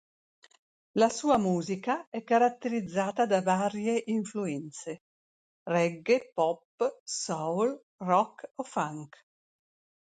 La sua musica è caratterizzata da varie influenze, reggae, pop, soul, rock o funk.